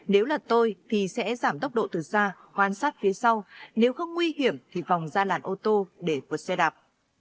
nếu là tôi thì sẽ giảm tốc độ từ xa quan sát phía sau nếu không nguy hiểm thì vòng ra làn ô tô để vượt xe đạp